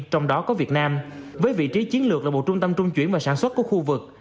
trong đó có việt nam với vị trí chiến lược là một trung tâm trung chuyển và sản xuất của khu vực